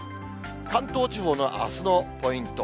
関東地方のあすのポイント。